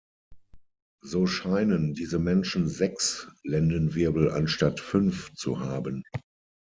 So scheinen diese Menschen sechs Lendenwirbel anstatt fünf zu haben.